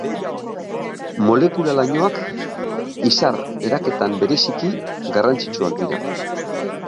Molekula lainoak, izar eraketan bereziki garrantzitsuak dira.